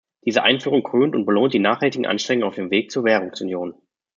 Diese Einführung krönt und belohnt die nachhaltigen Anstrengungen auf dem Weg zur Währungsunion.